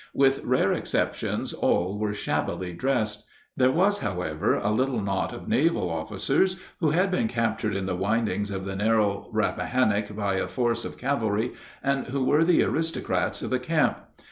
With rare exceptions all were shabbily dressed. There was, however, a little knot of naval officers who had been captured in the windings of the narrow Rappahannock by a force of cavalry, and who were the aristocrats of the camp.